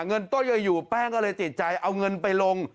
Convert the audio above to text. เงินต้นอยู่แป้งก็เลยติดใจเอาเงินไปลง